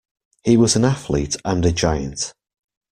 He was an athlete and a giant.